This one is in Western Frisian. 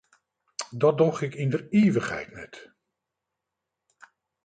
Dat doch ik yn der ivichheid net.